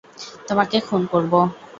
তোমাকে খুন করবো।